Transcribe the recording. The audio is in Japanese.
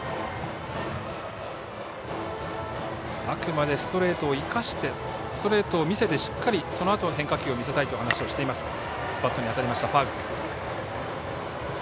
あくまでストレートを生かしてストレートを見せてしっかりそのあと変化球を見せたいと話をしていました。